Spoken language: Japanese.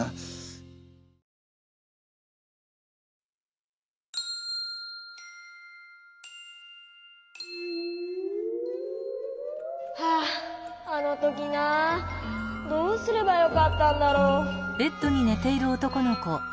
こころのこえはああのときなぁどうすればよかったんだろう。